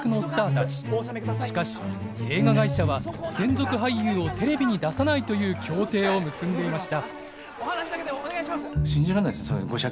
しかし映画会社は専属俳優をテレビに出さないという協定を結んでいました。